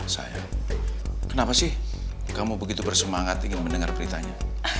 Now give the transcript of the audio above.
saya kenapa sih kamu begitu bersemangat ingin mendengar beritanya